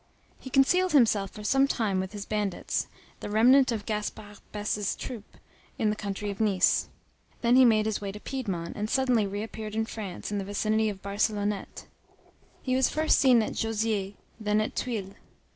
He concealed himself for some time with his bandits, the remnant of Gaspard Bès's troop, in the county of Nice; then he made his way to Piédmont, and suddenly reappeared in France, in the vicinity of Barcelonette. He was first seen at Jauziers, then at Tuiles.